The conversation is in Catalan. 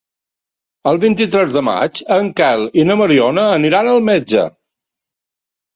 El vint-i-tres de maig en Quel i na Mariona aniran al metge.